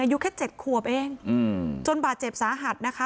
อายุแค่๗ขวบเองจนบาดเจ็บสาหัสนะคะ